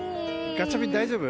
ガチャピン、大丈夫？